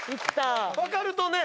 分かるとね？